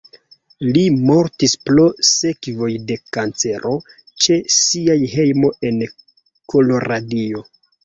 Li mortis pro sekvoj de kancero ĉe sia hejmo en Koloradio.